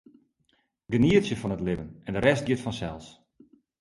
Genietsje fan it libben en de rest giet fansels.